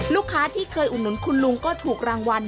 ลูกค้าที่เคยอุดหนุนคุณลุงก็ถูกรางวัล